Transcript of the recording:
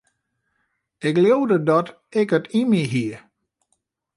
Ik leaude dat ik it yn my hie.